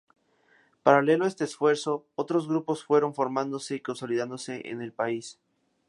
Paralelo a este esfuerzo, otros grupos fueron formándose y consolidándose en el país.